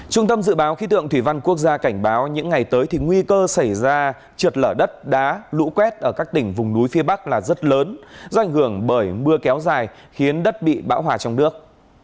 trung tâm dự báo khí tượng thủy văn quốc gia cảnh báo những ngày tới thì nguy cơ xảy ra trượt lở đất đá lũ quét ở các tỉnh vùng núi phía bắc là rất lớn do ảnh hưởng bởi mưa kéo dài khiến đất bị bão hòa trong nước